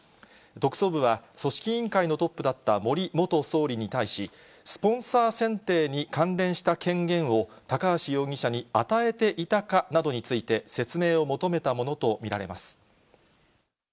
特捜部は、組織委員会のトップだった森元総理に対し、スポンサー選定に関連した権限を高橋容疑者に与えていたかなどについて、説明を求めたものと見られます。